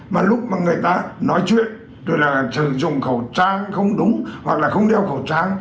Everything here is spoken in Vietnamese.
mà lúc mà người ta nói chuyện tức là sử dụng khẩu trang không đúng hoặc là không đeo khẩu trang